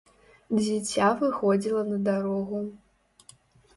Дзіця выходзіла на дарогу.